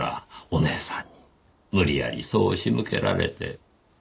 お姉さんに無理やりそう仕向けられて。